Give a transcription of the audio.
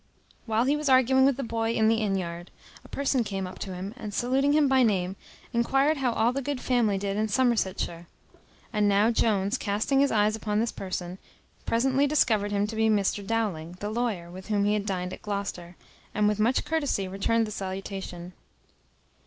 While he was arguing with the boy in the inn yard, a person came up to him, and saluting him by his name, enquired how all the good family did in Somersetshire; and now Jones casting his eyes upon this person, presently discovered him to be Mr Dowling, the lawyer, with whom he had dined at Gloucester, and with much courtesy returned the salutation.